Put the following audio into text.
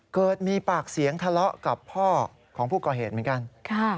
เกิดมีปากเสียงทะเลาะกับพ่อของผู้ก่อเหตุเหมือนกัน